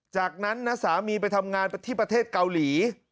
จากนั้นนะสามีไปทำงานที่ประเทศเกาหลี